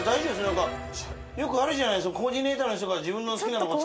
何かよくあるじゃないですか。